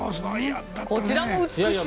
こちらも美しい。